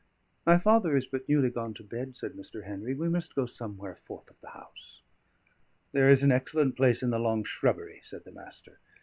"My father is but newly gone to bed," said Mr. Henry. "We must go somewhere forth of the house." "There is an excellent place in the long shrubbery," said the Master.